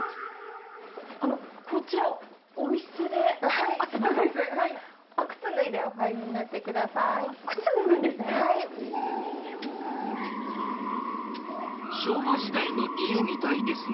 あの、こちら、お店で合ってますか？